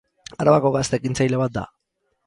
Arabako gazte ekintzaile bat da.